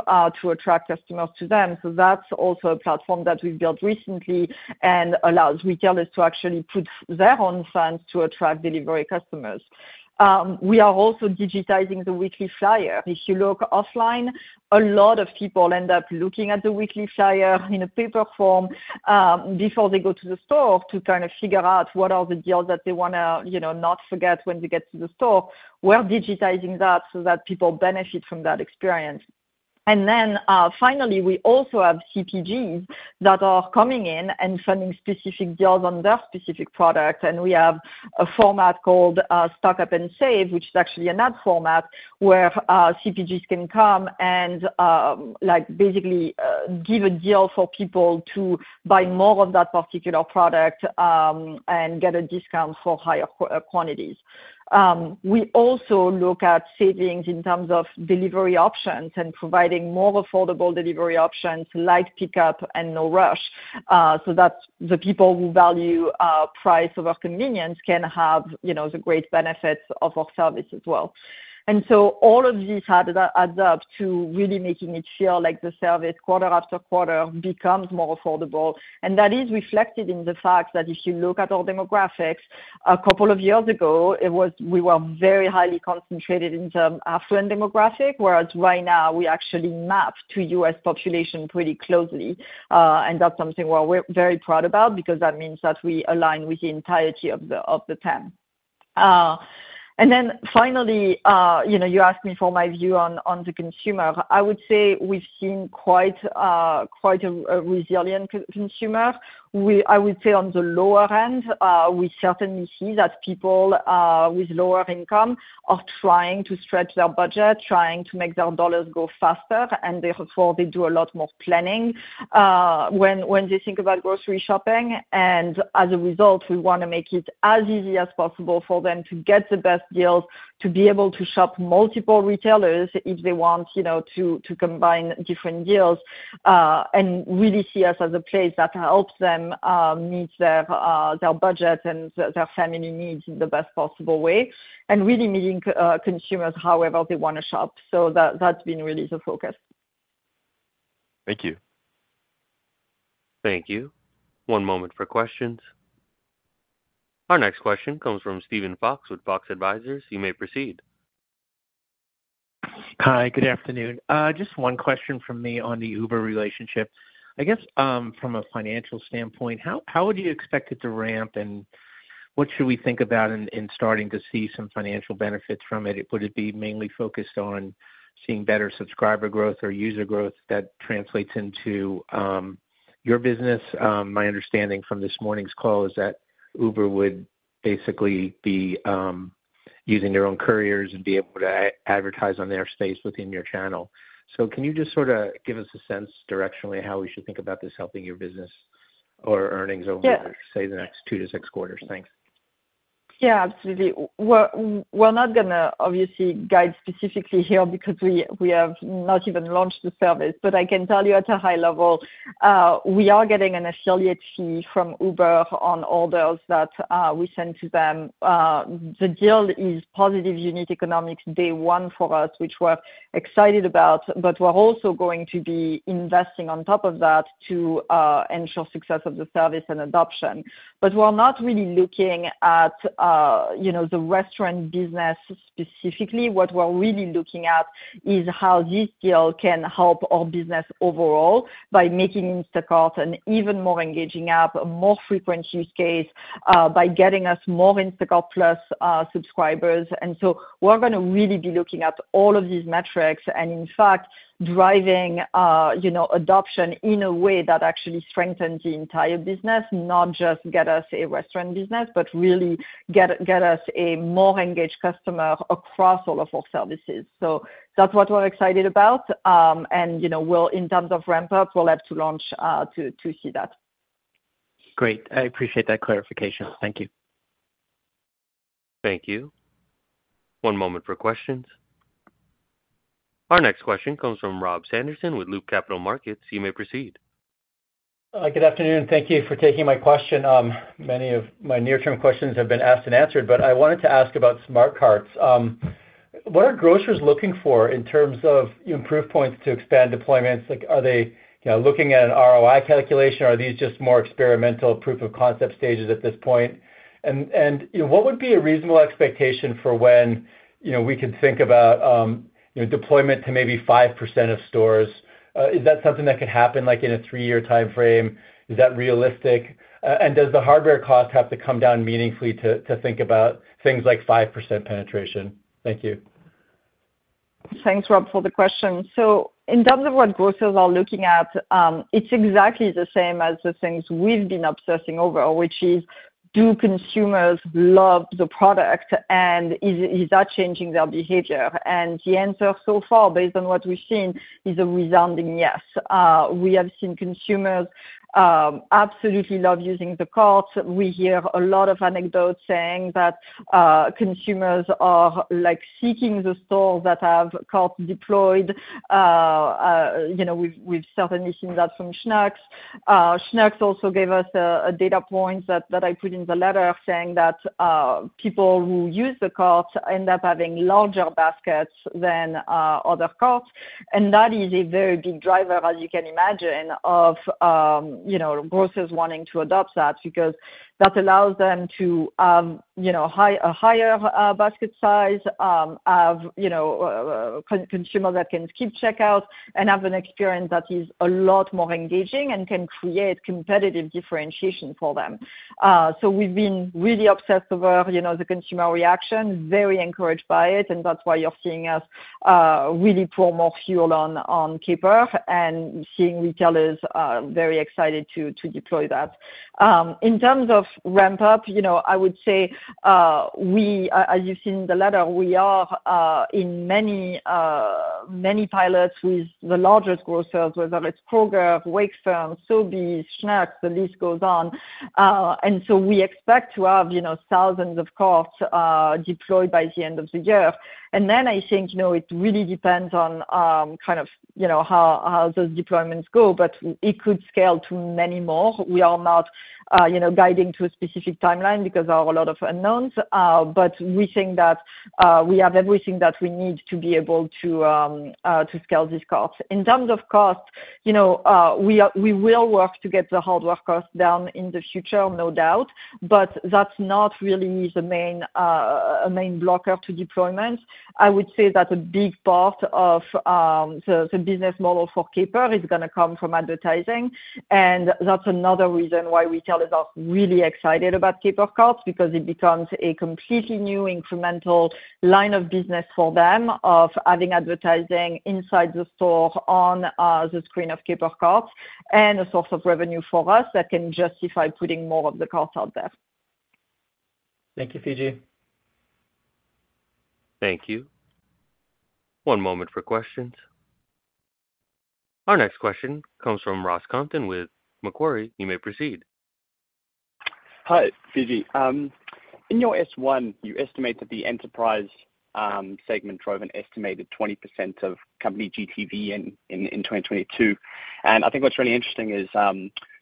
to attract customers to them. So that's also a platform that we've built recently and allows retailers to actually put their own funds to attract delivery customers. We are also digitizing the weekly flyer. If you look offline, a lot of people end up looking at the weekly flyer in a paper form, before they go to the store, to kind of figure out what are the deals that they wanna, you know, not forget when they get to the store. We're digitizing that so that people benefit from that experience. And then, finally, we also have CPGs that are coming in and funding specific deals on their specific product. And we have a format called, Stock Up and Save, which is actually an ad format, where, CPGs can come and, like basically, give a deal for people to buy more of that particular product, and get a discount for higher quantities. We also look at savings in terms of delivery options and providing more affordable delivery options, like pickup and no rush, so that the people who value, price over convenience can have, you know, the great benefits of our service as well. And so all of these adds up to really making it feel like the service, quarter after quarter, becomes more affordable. That is reflected in the fact that if you look at our demographics, a couple of years ago, it was we were very highly concentrated in terms of affluent demographic, whereas right now we actually map to U.S. population pretty closely. And that's something where we're very proud about, because that means that we align with the entirety of the TAM. And then finally, you know, you asked me for my view on the consumer. I would say we've seen quite a resilient consumer. I would say on the lower end, we certainly see that people with lower income are trying to stretch their budget, trying to make their dollars go faster, and therefore, they do a lot more planning when they think about grocery shopping. And as a result, we wanna make it as easy as possible for them to get the best deals, to be able to shop multiple retailers if they want, you know, to combine different deals, and really see us as a place that helps them meet their budget and their family needs in the best possible way, and really meeting consumers however they wanna shop. So that's been really the focus. Thank you. Thank you. One moment for questions. Our next question comes from Steven Fox with Fox Advisors. You may proceed. Hi, good afternoon. Just one question from me on the Uber relationship. I guess, from a financial standpoint, how would you expect it to ramp, and what should we think about in, in starting to see some financial benefits from it? Would it be mainly focused on seeing better subscriber growth or user growth that translates into, your business? My understanding from this morning's call is that Uber would basically be, using their own couriers and be able to advertise on their space within your channel. So can you just sort of give us a sense directionally, how we should think about this helping your business or earnings over- Yeah. say, the next two to six quarters? Thanks. Yeah, absolutely. We're not gonna obviously guide specifically here because we have not even launched the service, but I can tell you at a high level, we are getting an affiliate fee from Uber on orders that we send to them. The deal is positive unit economics day one for us, which we're excited about, but we're also going to be investing on top of that to ensure success of the service and adoption. But we're not really looking at, you know, the restaurant business specifically. What we're really looking at is how this deal can help our business overall by making Instacart an even more engaging app, a more frequent use case by getting us more Instacart+ subscribers. And so we're gonna really be looking at all of these metrics, and in fact, driving, you know, adoption in a way that actually strengthens the entire business, not just get us a restaurant business, but really get us a more engaged customer across all of our services. So that's what we're excited about. And, you know, in terms of ramp up, we'll have to launch to see that. Great. I appreciate that clarification. Thank you. Thank you. One moment for questions. Our next question comes from Rob Sanderson with Loop Capital Markets. You may proceed. Good afternoon. Thank you for taking my question. Many of my near-term questions have been asked and answered, but I wanted to ask about Smart Carts. What are grocers looking for in terms of improvement points to expand deployments? Like, are they, you know, looking at an ROI calculation, or are these just more experimental proof of concept stages at this point? And, you know, what would be a reasonable expectation for when, you know, we could think about deployment to maybe 5% of stores? Is that something that could happen, like, in a three-year timeframe? Is that realistic? And does the hardware cost have to come down meaningfully to think about things like 5% penetration? Thank you. Thanks, Rob, for the question. So in terms of what grocers are looking at, it's exactly the same as the things we've been obsessing over, which is: Do consumers love the product, and is that changing their behavior? And the answer so far, based on what we've seen, is a resounding yes. We have seen consumers absolutely love using the carts. We hear a lot of anecdotes saying that consumers are, like, seeking the stores that have carts deployed. You know, we've certainly seen that from Schnucks. Schnucks also gave us a data point that I put in the letter, saying that people who use the carts end up having larger baskets than other carts. That is a very big driver, as you can imagine, of, you know, grocers wanting to adopt that because that allows them to, you know, have a higher basket size, of, you know, consumer that can skip checkout and have an experience that is a lot more engaging and can create competitive differentiation for them. So we've been really obsessed about, you know, the consumer reaction, very encouraged by it, and that's why you're seeing us, really pour more fuel on Caper and seeing retailers, very excited to deploy that. In terms of ramp up, you know, I would say, we, as you've seen in the letter, we are in many pilots with the largest grocers, whether it's Kroger, Wakefern, Sobeys, Schnucks, the list goes on. And so we expect to have, you know, thousands of carts, deployed by the end of the year. And then I think, you know, it really depends on, kind of, you know, how those deployments go, but it could scale to many more. We are not, you know, guiding to a specific timeline because there are a lot of unknowns, but we think that, we have everything that we need to be able to scale these carts. In terms of cost, you know, we will work to get the hardware cost down in the future, no doubt, but that's not really the main blocker to deployments. I would say that a big part of the business model for Caper is gonna come from advertising, and that's another reason why retailers are really excited about Caper Carts, because it becomes a completely new incremental line of business for them of adding advertising inside the store on the screen of Caper Carts, and a source of revenue for us that can justify putting more of the carts out there. Thank you, Fidji. Thank you. One moment for questions. Our next question comes from Ross Compton with Macquarie. You may proceed. Hi, Fidji. In your S-1, you estimate that the enterprise segment drove an estimated 20% of company GTV in 2022. And I think what's really interesting is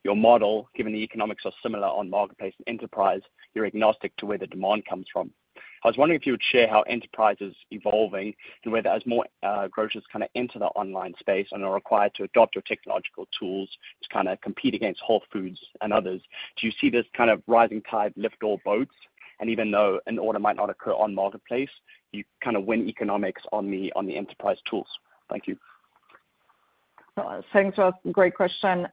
your model, given the economics are similar on marketplace and enterprise, you're agnostic to where the demand comes from. I was wondering if you would share how enterprise is evolving and whether as more grocers kind of enter the online space and are required to adopt your technological tools to kind of compete against Whole Foods and others. Do you see this kind of rising tide lift all boats? And even though an order might not occur on marketplace, you kind of win economics on the enterprise tools. Thank you. Thanks, Rob. Great question.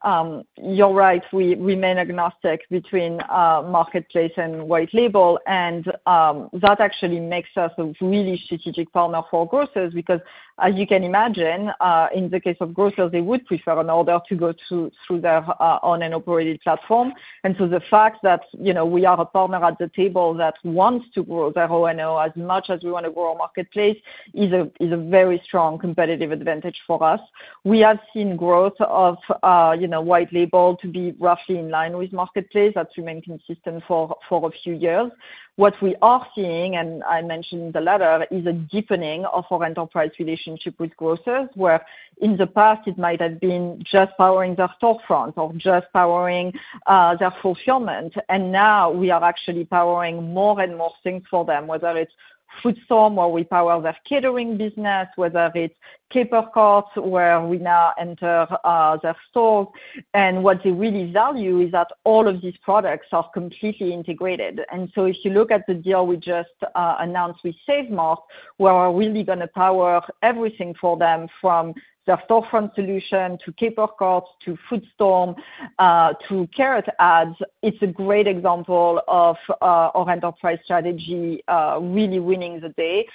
You're right, we remain agnostic between marketplace and white label, and that actually makes us a really strategic partner for grocers because as you can imagine, in the case of grocers, they would prefer an order to go through their owned and operated platform. So the fact that, you know, we are a partner at the table that wants to grow their O&O as much as we want to grow our marketplace, is a, is a very strong competitive advantage for us. We have seen growth of, you know, white label to be roughly in line with marketplace. That's remained consistent for, for a few years. What we are seeing, and I mentioned in the letter, is a deepening of our enterprise relationship with grocers, where in the past it might have been just powering their storefront or just powering their fulfillment, and now we are actually powering more and more things for them, whether it's FoodStorm or we power their catering business, whether it's Caper Carts, where we now enter their store. What they really value is that all of these products are completely integrated. So if you look at the deal we just announced with Save Mart, we are really gonna power everything for them, from their storefront solution, to Caper Carts, to FoodStorm, to Carrot Ads. It's a great example of our enterprise strategy really winning the day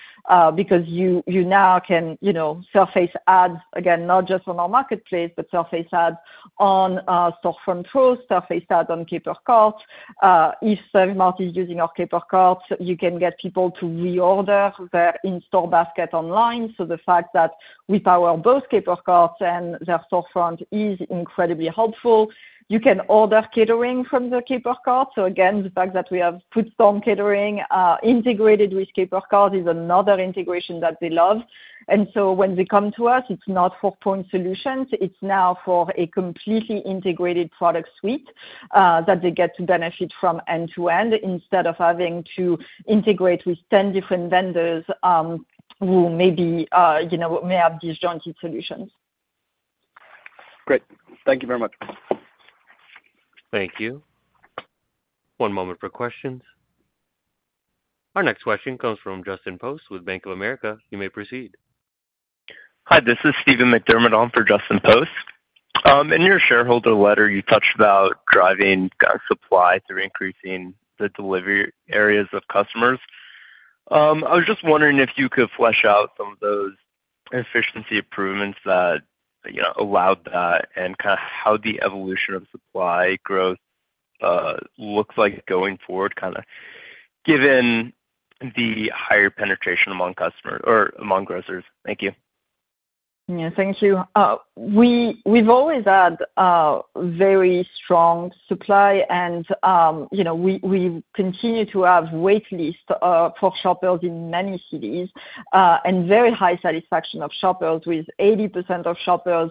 because you you now can you know surface ads again not just on our marketplace but surface ads on storefront stores surface ads on Caper Carts. If Save Mart is using our Caper Carts you can get people to reorder their in-store basket online. So the fact that we power both Caper Carts and their storefront is incredibly helpful. You can order catering from the Caper Cart. So again the fact that we have Foodstorm catering integrated with Caper Cart is another integration that they love. When they come to us, it's not for point solutions, it's now for a completely integrated product suite that they get to benefit from end to end, instead of having to integrate with 10 different vendors, who may be, you know, may have disjointed solutions. Great. Thank you very much. Thank you. One moment for questions. Our next question comes from Justin Post with Bank of America. You may proceed. Hi, this is Steven McDermott on for Justin Post. In your shareholder letter, you touched about driving supply through increasing the delivery areas of customers. I was just wondering if you could flesh out some of those efficiency improvements that, you know, allowed that, and kind of how the evolution of supply growth looks like going forward, kind of given the higher penetration among customers or among grocers. Thank you. Yeah. Thank you. We've always had very strong supply and, you know, we continue to have waitlists for shoppers in many cities, and very high satisfaction of shoppers, with 80% of shoppers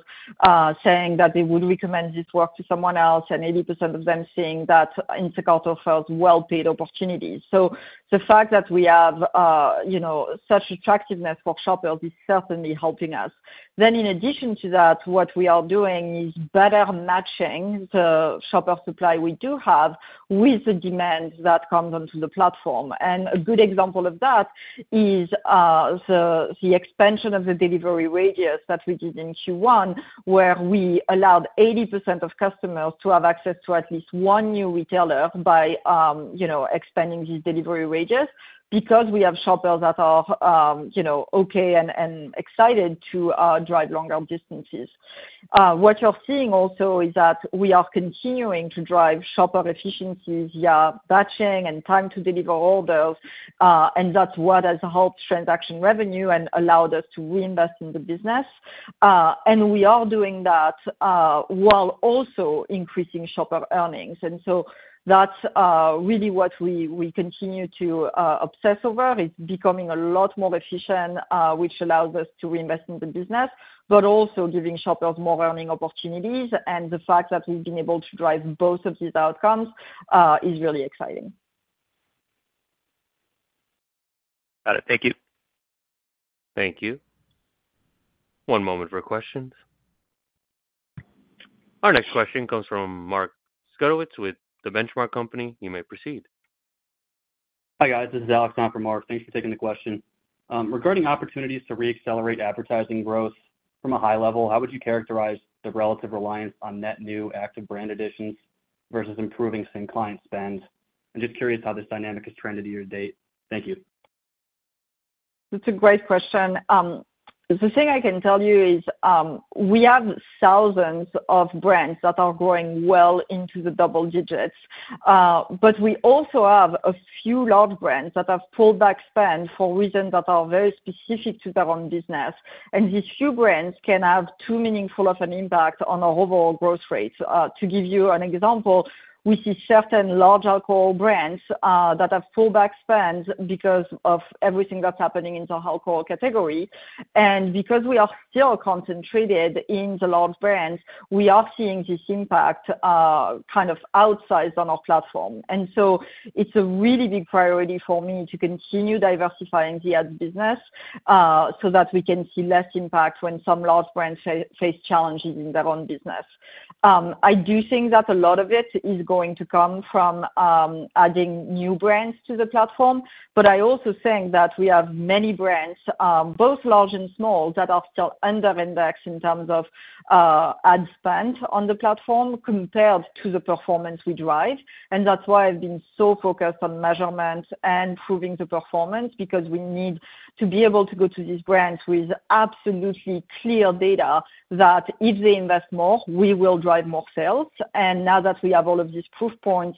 saying that they would recommend this work to someone else, and 80% of them saying that Instacart offers well-paid opportunities. So the fact that we have, you know, such attractiveness for shoppers is certainly helping us. Then in addition to that, what we are doing is better matching the shopper supply we do have with the demands that come onto the platform. And a good example of that is the expansion of the delivery radius that we did in Q1, where we allowed 80% of customers to have access to at least one new retailer by, you know, expanding the delivery radius, because we have shoppers that are, you know, okay and excited to drive longer distances. What you're seeing also is that we are continuing to drive shopper efficiencies via batching and time to deliver orders, and that's what has helped transaction revenue and allowed us to reinvest in the business. And we are doing that while also increasing shopper earnings. And so that's really what we continue to obsess over. It's becoming a lot more efficient, which allows us to reinvest in the business, but also giving shoppers more earning opportunities, and the fact that we've been able to drive both of these outcomes, is really exciting. Got it. Thank you. Thank you. One moment for questions. Our next question comes from Mark Zgutowicz with The Benchmark Company. You may proceed. Hi, guys. This is Alex on for Mark. Thanks for taking the question. Regarding opportunities to reaccelerate advertising growth from a high level, how would you characterize the relative reliance on net new active brand additions versus improving same client spend? I'm just curious how this dynamic has trended year to date. Thank you. That's a great question. The thing I can tell you is, we have thousands of brands that are growing well into the double digits, but we also have a few large brands that have pulled back spend for reasons that are very specific to their own business. These few brands can have too meaningful of an impact on our overall growth rate. To give you an example, we see certain large alcohol brands that have pulled back spend because of everything that's happening in the alcohol category. Because we are still concentrated in the large brands, we are seeing this impact kind of outsized on our platform. So it's a really big priority for me to continue diversifying the ad business, so that we can see less impact when some large brands face challenges in their own business. I do think that a lot of it is going to come from adding new brands to the platform, but I also think that we have many brands, both large and small, that are still under index in terms of ad spend on the platform compared to the performance we drive. And that's why I've been so focused on measurements and improving the performance, because we need to be able to go to these brands with absolutely clear data that if they invest more, we will drive more sales. And now that we have all of these proof points,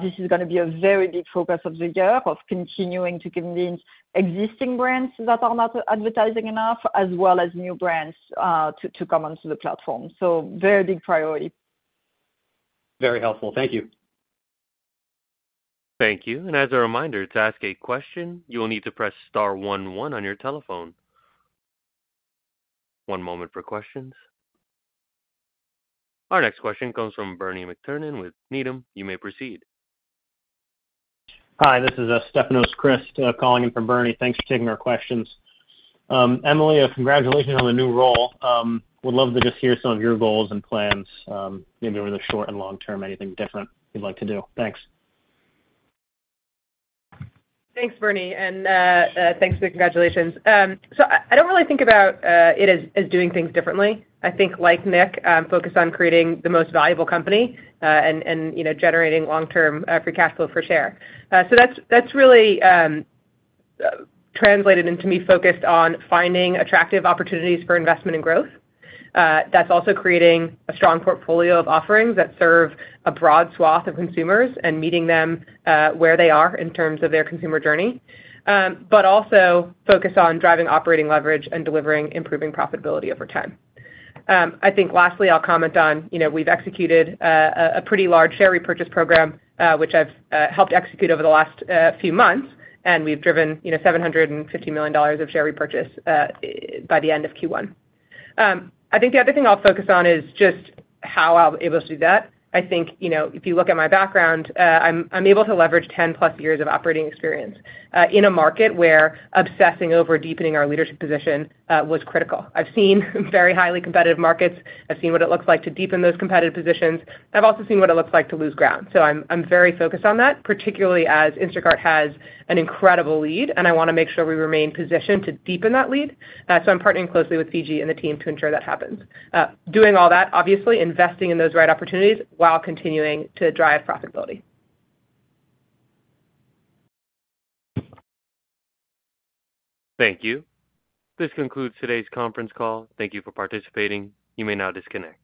this is gonna be a very big focus of the year, of continuing to convince existing brands that are not advertising enough, as well as new brands, to come onto the platform. So very big priority. Very helpful. Thank you. Thank you. As a reminder, to ask a question, you will need to press star one one on your telephone. One moment for questions. Our next question comes from Bernie McTernan with Needham. You may proceed. Hi, this is Stefanos Crist calling in from Bernie. Thanks for taking our questions. Emily, congratulations on the new role. Would love to just hear some of your goals and plans, maybe in the short and long term, anything different you'd like to do. Thanks. Thanks, Bernie, and thanks for the congratulations. So I don't really think about it as doing things differently. I think like Nick, I'm focused on creating the most valuable company, and you know, generating long-term free cash flow per share. So that's really translated into me focused on finding attractive opportunities for investment and growth. That's also creating a strong portfolio of offerings that serve a broad swath of consumers and meeting them where they are in terms of their consumer journey. But also focused on driving operating leverage and delivering improving profitability over time. I think lastly, I'll comment on, you know, we've executed a pretty large share repurchase program, which I've helped execute over the last few months, and we've driven, you know, $750 million of share repurchase by the end of Q1. I think the other thing I'll focus on is just how I'll be able to do that. I think, you know, if you look at my background, I'm able to leverage 10+ years of operating experience in a market where obsessing over deepening our leadership position was critical. I've seen very highly competitive markets. I've seen what it looks like to deepen those competitive positions. I've also seen what it looks like to lose ground. So I'm very focused on that, particularly as Instacart has an incredible lead, and I wanna make sure we remain positioned to deepen that lead. So I'm partnering closely with Fidji and the team to ensure that happens. Doing all that, obviously, investing in those right opportunities while continuing to drive profitability. Thank you. This concludes today's conference call. Thank you for participating. You may now disconnect.